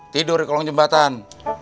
tidur di kolong jembatan